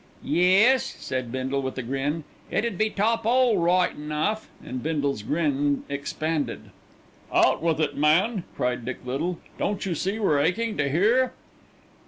"Yes," said Bindle, with a grin; "it 'ud be top 'ole right enough." And Bindle's grin expanded. "Out with it, man," cried Dick Little. "Don't you see we're aching to hear?"